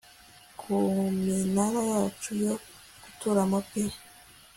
ku minara yacu yo guturamo pee